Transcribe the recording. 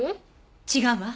違うわ。